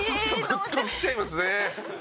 ぐっときちゃいますね。